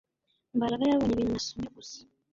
Mbaraga yabonye ibintu nasomye gusa